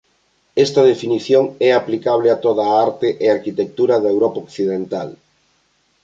Esta definición é aplicable a toda a arte e arquitectura da Europa occidental.